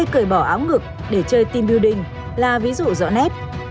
cởi bỏ áo ngực để chơi team building là ví dụ rõ nét